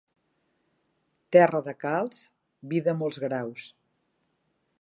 Terra de calç, vi de molts graus.